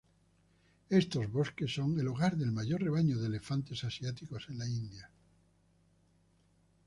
Estos bosques son el hogar del mayor rebaño de elefantes asiáticos en la India.